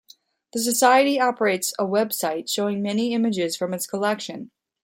The Society operates a website showing many images from its collection.